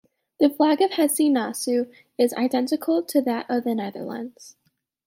The flag of Hesse-Nassau is identical to that of the Netherlands.